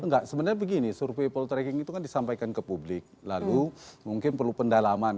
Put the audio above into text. enggak sebenarnya begini survei poltreking itu kan disampaikan ke publik lalu mungkin perlu pendalaman